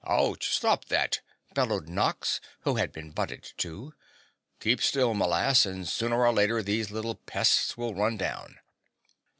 "Ouch! Stop that!" bellowed Nox, who had been butted too. "Keep still, m'lass, and sooner or later these little pests will run down."